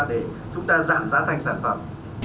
để chúng ta giảm giá thành sản phẩm